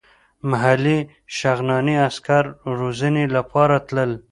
محلي شغناني عسکر روزنې لپاره تلل.